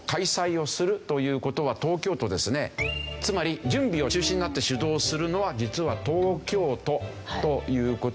つまり準備を中心になって主導するのは実は東京都という事になります。